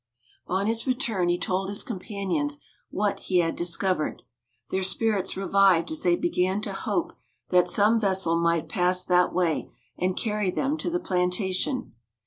On his return he told his companions what he had discovered. Their spirits revived as they began to hope that some vessel might pass that way, and carry them to the plantation.